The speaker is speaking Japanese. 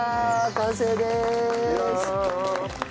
完成でーす！